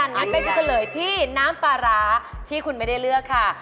งั้นเป๊กจะเฉลยที่น้ำปลาร้าที่คุณไม่ได้เลือกค่ะ